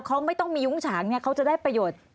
เขาไม่ต้องมียุ้งฉางเขาจะได้ประโยชน์